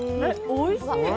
おいしい！